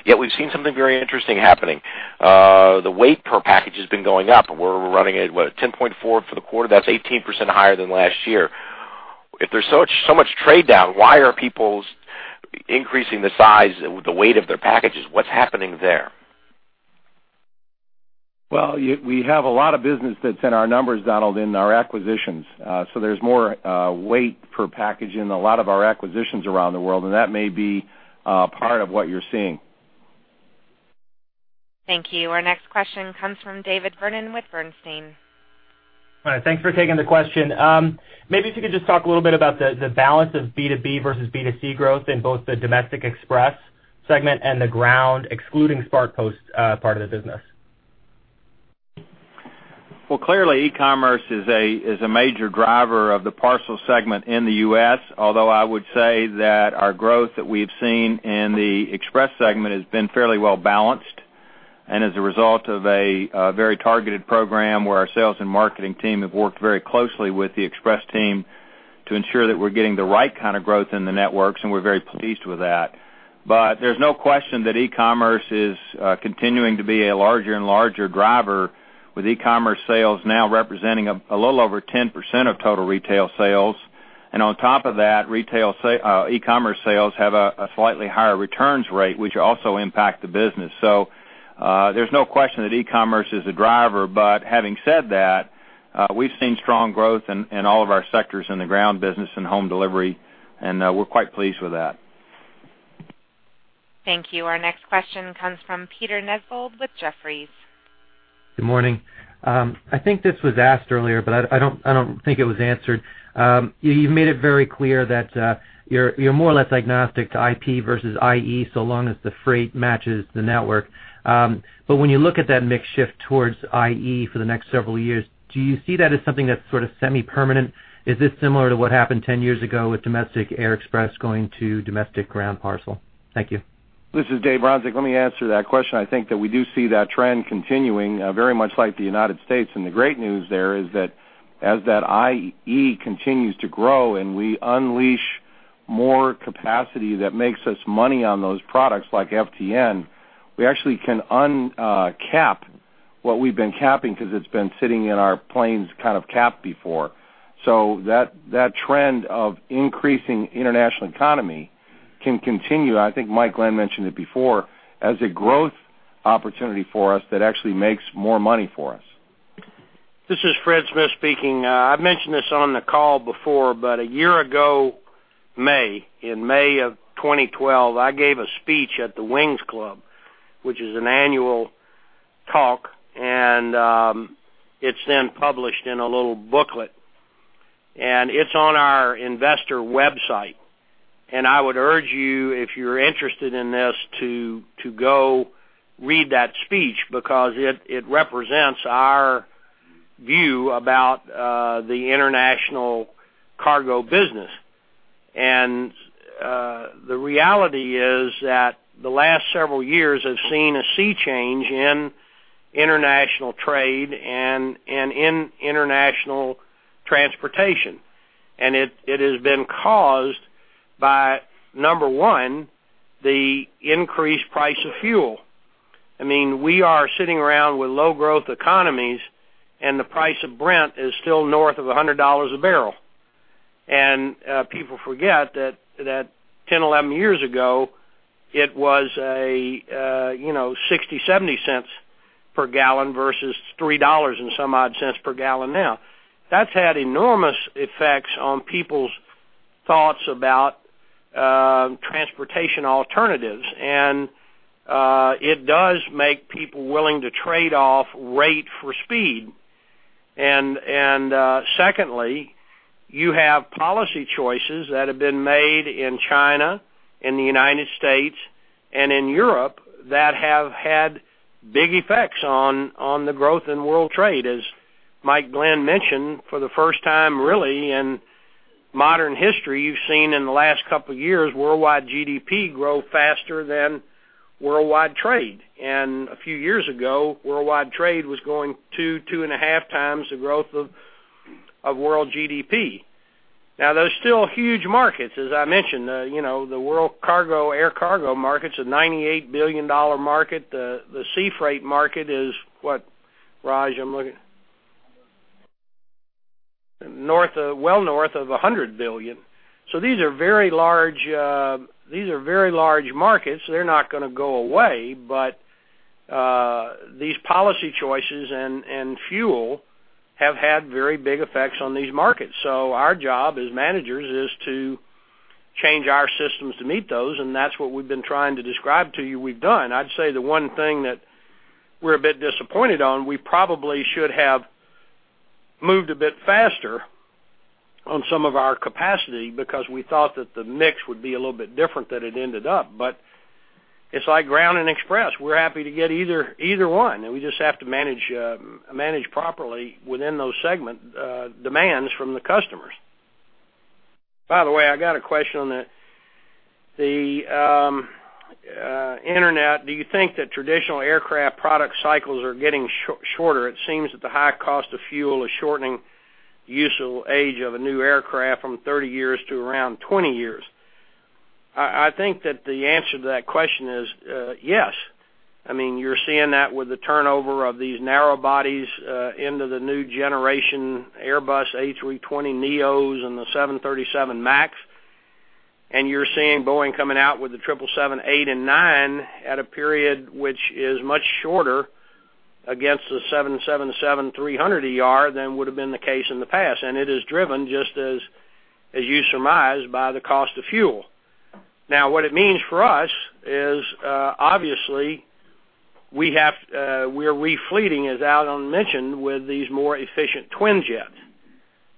yet we've seen something very interesting happening. The weight per package has been going up. We're running at, what? 10.4 for the quarter. That's 18% higher than last year. If there's so much, so much trade down, why are people increasing the size, the weight of their packages? What's happening there? Well, we have a lot of business that's in our numbers, Donald, in our acquisitions. So there's more weight per package in a lot of our acquisitions around the world, and that may be part of what you're seeing. Thank you. Our next question comes from David Vernon with Bernstein. Thanks for taking the question. Maybe if you could just talk a little bit about the balance of B2B versus B2C growth in both the domestic Express segment and the Ground, excluding SmartPost, part of the business. Well, clearly, e-commerce is a major driver of the parcel segment in the U.S. Although I would say that our growth that we've seen in the Express segment has been fairly well balanced, and as a result of a very targeted program where our sales and marketing team have worked very closely with the Express team to ensure that we're getting the right kind of growth in the networks, and we're very pleased with that. But there's no question that e-commerce is continuing to be a larger and larger driver, with e-commerce sales now representing a little over 10% of total retail sales. And on top of that, e-commerce sales have a slightly higher returns rate, which also impact the business. So, there's no question that e-commerce is a driver. But having said that, we've seen strong growth in all of our sectors in the Ground business and home delivery, and we're quite pleased with that. Thank you. Our next question comes from Peter Nesvold with Jefferies. Good morning. I think this was asked earlier, but I don't think it was answered. You've made it very clear that you're more or less agnostic to IP versus IE, so long as the freight matches the network. But when you look at that mix shift towards IE for the next several years, do you see that as something that's sort of semi-permanent? Is this similar to what happened 10 years ago with domestic air Express going to domestic Ground parcel? Thank you. This is Dave Bronczek. Let me answer that question. I think that we do see that trend continuing very much like the United States. And the great news there is that as that IE continues to grow and we unleash more capacity that makes us money on those products, like FTN, we actually can uncap what we've been capping because it's been sitting in our planes kind of capped before. So that trend of increasing international economy can continue. I think Mike Glenn mentioned it before, as a growth opportunity for us, that actually makes more money for us. This is Fred Smith speaking. I've mentioned this on the call before, but a year ago, May, in May of 2012, I gave a speech at the Wings Club, which is an annual talk, and it's then published in a little booklet, and it's on our investor website. I would urge you, if you're interested in this, to go read that speech because it represents our view about the international cargo business. The reality is that the last several years have seen a sea change in international trade and in international transportation, and it has been caused by, number one, the increased price of fuel. I mean, we are sitting around with low growth economies, and the price of Brent is still north of $100 a barrel. People forget that 10, 11 years ago, it was, you know, $0.60-$0.70 per gallon versus $3 and some odd cents per gallon now. That's had enormous effects on people's thoughts about transportation alternatives, and it does make people willing to trade off rate for speed. And secondly, you have policy choices that have been made in China, in the United States, and in Europe that have had big effects on the growth in world trade. As Mike Glenn mentioned, for the first time, really, in modern history, you've seen in the last couple of years, worldwide GDP grow faster than worldwide trade. And a few years ago, worldwide trade was going 2x-2.5x the growth of world GDP. Now, there's still huge markets, as I mentioned, you know, the world cargo, air cargo markets, a $98 billion market. The sea freight market is what, Raj, I'm looking... North of—well, north of $100 billion. So these are very large, these are very large markets. They're not gonna go away, but these policy choices and fuel have had very big effects on these markets. So our job as managers is to change our systems to meet those, and that's what we've been trying to describe to you we've done. I'd say the one thing that we're a bit disappointed on, we probably should have moved a bit faster on some of our capacity because we thought that the mix would be a little bit different than it ended up. But it's like Ground and Express. We're happy to get either, either one, and we just have to manage, manage properly within those segment demands from the customers. By the way, I got a question on the internet. Do you think that traditional aircraft product cycles are getting shorter? It seems that the high cost of fuel is shortening useful age of a new aircraft from 30 years to around 20 years. I think that the answer to that question is yes. I mean, you're seeing that with the turnover of these narrow bodies into the new generation Airbus A320neo and the 737 MAX, and you're seeing Boeing coming out with the 777-8 and 9 at a period which is much shorter against the 777-300ER than would have been the case in the past. And it is driven just as, as you surmise, by the cost of fuel. Now, what it means for us is, obviously, we have, we are re-fleeting, as Alan mentioned, with these more efficient twin jets.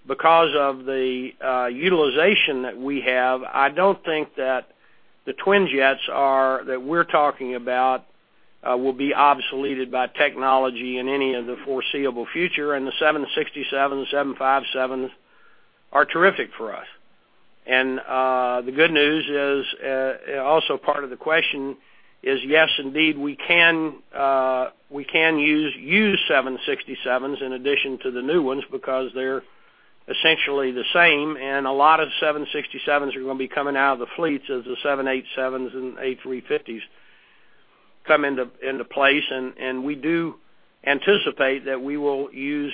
Because of the utilization that we have, I don't think that the twin jets are, that we're talking about, will be obsoleted by technology in any of the foreseeable future, and the 767 and 757 are terrific for us. And, the good news is, also part of the question is, yes, indeed, we can, we can use used 767s in addition to the new ones, because they're essentially the same, and a lot of 767s are gonna be coming out of the fleets as the 787s and A350s come into place. And, we do anticipate that we will use,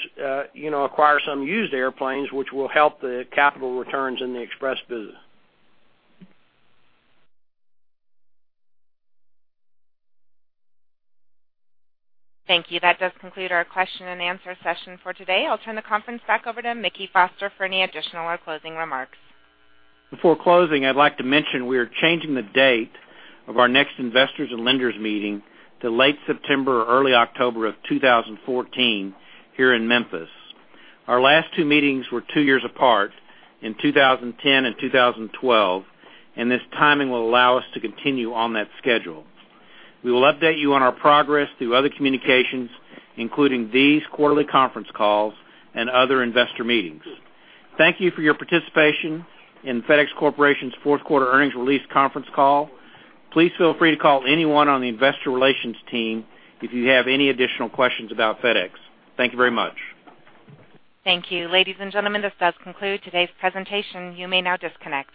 you know, acquire some used airplanes, which will help the capital returns in the Express business. Thank you. That does conclude our question and answer session for today. I'll turn the conference back over to Mickey Foster for any additional or closing remarks. Before closing, I'd like to mention we are changing the date of our next investors and lenders meeting to late September or early October of 2014, here in Memphis. Our last two meetings were two years apart in 2010 and 2012, and this timing will allow us to continue on that schedule. We will update you on our progress through other communications, including these quarterly conference calls and other investor meetings. Thank you for your participation in FedEx Corporation's fourth quarter earnings release conference call. Please feel free to call anyone on the investor relations team if you have any additional questions about FedEx. Thank you very much. Thank you. Ladies and gentlemen, this does conclude today's presentation. You may now disconnect.